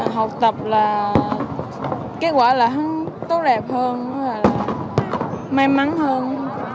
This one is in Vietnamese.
học tập là kết quả là tốt đẹp hơn may mắn hơn